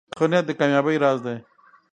ښه نیت د کامیابۍ راز دی.